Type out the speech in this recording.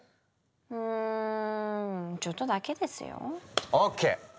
うんちょっとだけですよ。ＯＫ！